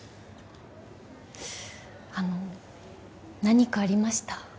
あの何かありました？